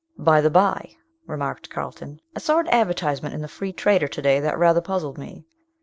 By the by," remarked Carlton, "I saw an advertisement in the Free Trader to day that rather puzzled me.